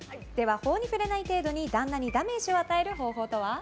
法に触れない程度に旦那にダメージを与える方法とは？